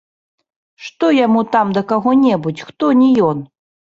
Што яму там да каго-небудзь, хто не ён?